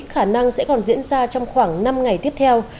khả năng sẽ còn diễn ra trong khoảng năm ngày tiếp theo